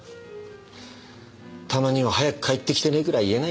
たまには「早く帰ってきてね」くらい言えないのかね。